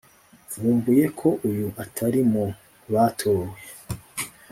mvumbuye ko uyu atari mu batowe